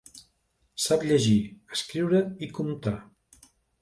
Sap llegir, escriure i comptar.